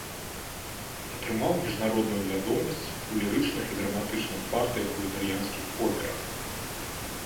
Атрымаў міжнародную вядомасць у лірычных і драматычных партыях у італьянскіх операх.